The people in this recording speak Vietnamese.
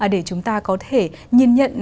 để chúng ta có thể nhìn nhận